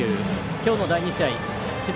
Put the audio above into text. きょうの第２試合、智弁